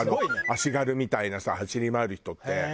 足軽みたいなさ走り回る人って。